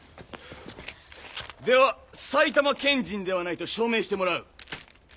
では埼玉県人ではないと証明してもらう。